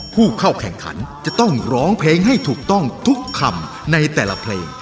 ผู้เข้าแข่งขันจะต้องร้องเพลงให้ถูกต้องทุกคำในแต่ละเพลง